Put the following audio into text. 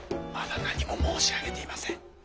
まだ何も申し上げていません。